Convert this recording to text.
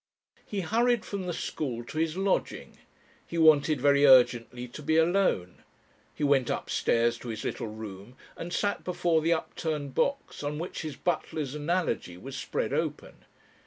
He hurried from the school to his lodging. He wanted very urgently to be alone. He went upstairs to his little room and sat before the upturned box on which his Butler's Analogy was spread open.